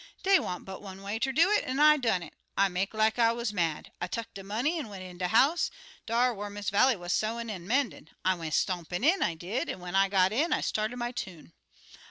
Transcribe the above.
Dey wan't but one way ter do it, an' I done it. I make like I wuz mad. I tuck de money an' went in de house dar whar Miss Vallie wuz sewin' an' mendin'. I went stompin' in, I did, an' when I got in I started my tune.